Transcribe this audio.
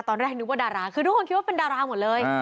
ตอนแรกนึกว่าดาราคือทุกคนคิดว่าเป็นดาราหมดเลย